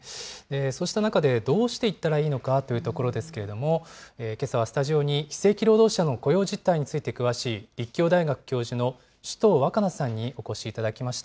そうした中で、どうしていったらいいのかというところですけれども、けさはスタジオに非正規労働者の雇用実態に詳しい、立教大学教授の首藤若菜さんにお越しいただきました。